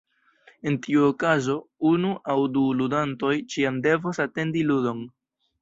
En tiu okazo, unu aŭ du ludantoj ĉiam devos atendi ludon.